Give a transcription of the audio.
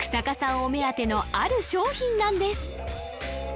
お目当てのある商品なんです